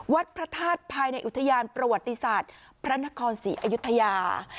วัฒนภรรยาทรศน์ภายในอุทยานประวัติศาสตร์พระนครสีอยุฒญา